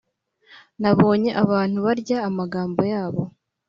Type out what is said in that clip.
nabonye abantu barya amagambo yabo